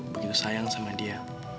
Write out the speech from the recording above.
begitu sayang sama dia